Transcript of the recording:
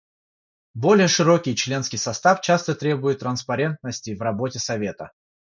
Более широкий членский состав часто требует транспарентности в работе Совета.